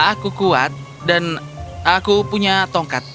aku kuat dan aku punya tongkat